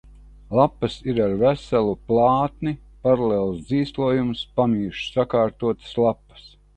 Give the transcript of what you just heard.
Lapas ir ar veselu plātni, paralēls dzīslojums, pamīšus sakārtotas lapas.